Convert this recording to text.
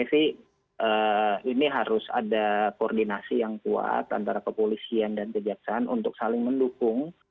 tapi ini harus ada koordinasi yang kuat antara kepolisian dan kejataan untuk saling mendukung